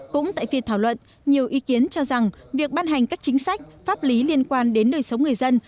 cũng tại phiên thảo luận nhiều ý kiến cho rằng việc ban hành các chính sách pháp lý liên quan đến đời sống người dân